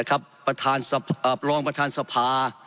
อับรองประธานสภา